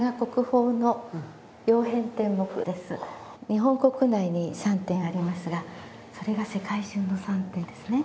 日本国内に３点ありますがそれが世界中の３点ですね。